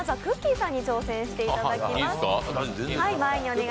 さんに挑戦していただきます。